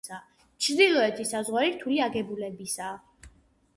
ჩრდილოეთი საზღვარი რთული აგებულებისაა.